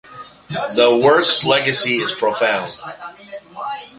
The work's legacy is profound.